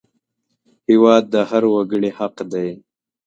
هېواد د هر وګړي حق دی